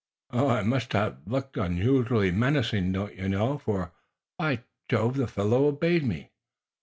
I must have looked unusually menacing, don't you know, for, by Jove, the fellow obeyed me.